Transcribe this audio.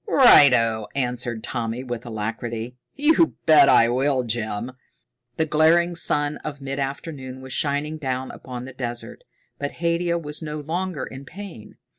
"Righto!" answered Tommy with alacrity. "You bet I will, Jim." The glaring sun of mid afternoon was shining down upon the desert, but Haidia was no longer in pain.